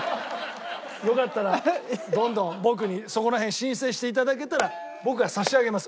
よかったらどんどん僕にそこら辺申請して頂けたら僕が差し上げます。